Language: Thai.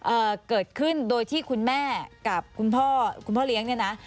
เอ่อเกิดขึ้นโดยที่คุณแม่กับคุณพ่อคุณพ่อเลี้ยงเนี่ยนะ